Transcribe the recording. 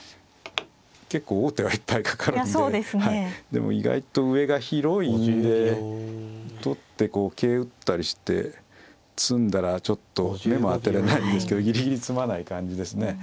でも意外と上が広いんで取ってこう桂打ったりして詰んだらちょっと目も当てられないんですけどギリギリ詰まない感じですね。